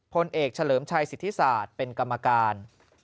พลเอกเฉลิมชัยสิทธิศาสตร์เป็นกรรมการ